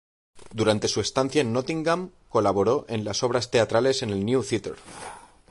Durante su estancia en Nottingham, colaboró en obras teatrales en el New Theatre.